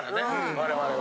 我々は。